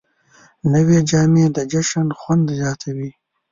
نوې جامې د جشن خوند زیاتوي